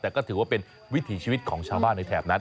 แต่ก็ถือว่าเป็นวิถีชีวิตของชาวบ้านในแถบนั้น